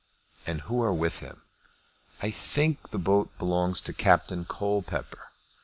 "And who are with him?" "I think the boat belongs to Captain Colepepper."